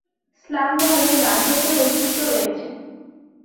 ইসলাম ধর্মে দাসত্বের অস্তিত্ব রয়েছে।